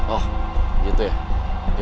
oh gitu ya